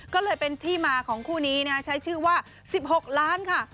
ก็เลยเป็นที่มาของคู่นี้ใช้ชื่อว่า๑๖ล้านค่ะ